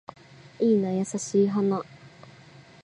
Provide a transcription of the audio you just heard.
いいな優しい花